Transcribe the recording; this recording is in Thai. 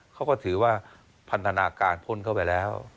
เขาก็ถือว่าพันธนาการพ่นเข้าไปแล้ว